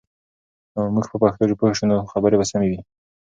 که موږ په پښتو پوه شو، نو خبرې به سمې وي.